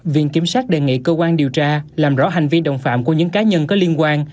viện kiểm sát đề nghị cơ quan điều tra làm rõ hành vi đồng phạm của những cá nhân có liên quan